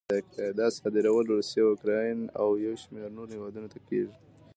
دا صادرول روسیې، اوکراین او یو شمېر نورو هېوادونو ته کېږي.